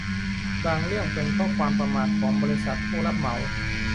บางเรื่องเป็นเพราะความประมาทของบริษัทผู้รับเหมา